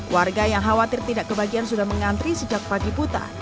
warga yang khawatir tidak kebagian sudah mengantri sejak pagi puta